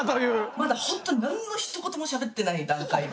まだ本当何のひと言もしゃべってない段階で。